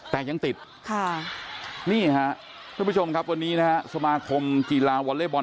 แต่ยังติดค่ะนี่ฮะทุกผู้ชมครับวันนี้นะฮะสมาคมกีฬาวอเล็กบอล